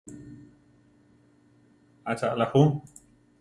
¿Acha alá ju?